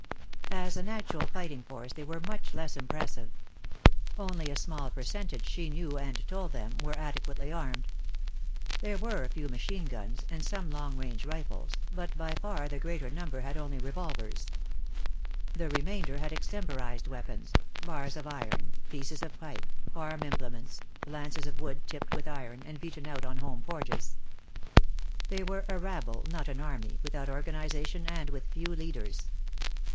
As an actual fighting force they were much less impressive. Only a small percentage, she knew and told them, were adequately armed. There were a few machine guns, and some long range rifles, but by far the greater number had only revolvers. The remainder had extemporized weapons, bars of iron, pieces of pipe, farm implements, lances of wood tipped with iron and beaten out on home forges. They were a rabble, not an army, without organization and with few leaders.